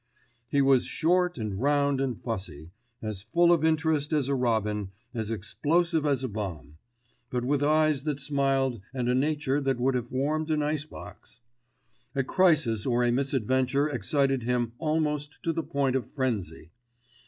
He was short and round and fussy, as full of interest as a robin, as explosive as a bomb; but with eyes that smiled and a nature that would have warmed an ice box. A crisis or a misadventure excited him almost to the point of frenzy.